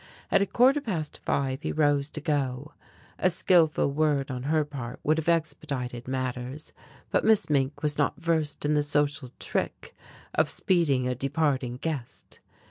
At a quarter past five he rose to go. A skillful word on her part would have expedited matters, but Miss Mink was not versed in the social trick of speeding a departing guest.